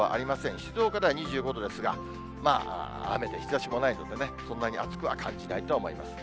静岡では２５度ですが、まあ雨で日ざしもないので、そんなに暑くは感じないと思います。